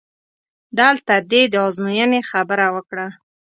دلته دې د ازموینې خبره وکړه؟!